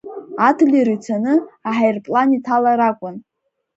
Адлер ицаны, аҳаирплан иҭалар акәын.